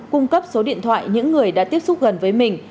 cung cấp số điện thoại những người đã tiếp xúc gần với mình